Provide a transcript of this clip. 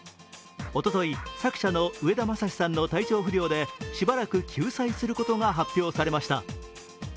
おとといい、作者の植田まさしさんの体調不良でしばらく休載することが発表されました。